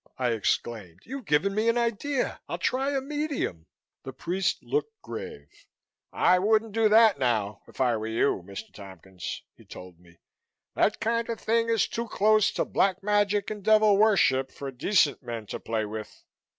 I exclaimed. "You've given me an idea. I'll try a medium." The priest looked grave. "I wouldn't do that, now, if I were you, Mr. Tompkins," he told me. "That kind of thing is too close to Black Magic and devil worship for decent men to play with."